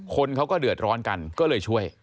คนเขาก็เดือดร้อนกันก็เลยช่วย